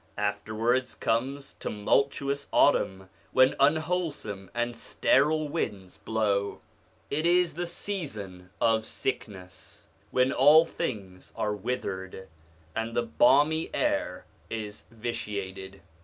Afterwards comes tumultuous autumn when unwhole some and sterile winds blow; it is the season of sickness, when all things are withered, and the balmy air is vitiated.